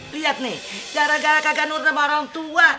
lihat nih gara gara kagak nurut sama orang tua